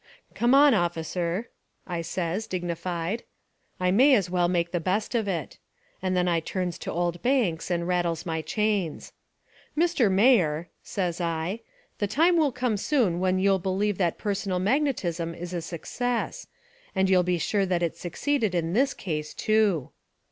" 'Come on, officer,' says I, dignified. 'I may as well make the best of it.' And then I turns to old Banks and rattles my chains. " 'Mr. Mayor,' says I, 'the time will come soon when you'll believe that personal magne tism is a success. And you'll be sure that it succeeded in this case, too.'